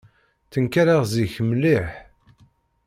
Ttenkareɣ zik mliḥ.